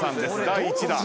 第１打。